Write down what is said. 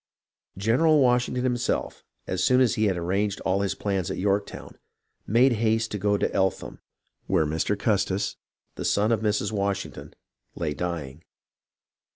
General Washington himself, as soon as he had arranged all his plans at Yorktown, made haste to go to Eltham, where Mr. Custis, the son of Mrs. Washington, lay dying.